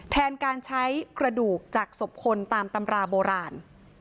แทนการใช้กระดูกจากศพคนตามตำราโบราณ